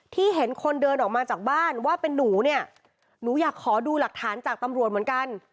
เห็นคนเดินออกมาจากบ้านว่าเป็นหนูเนี่ยหนูอยากขอดูหลักฐานจากตำรวจเหมือนกัน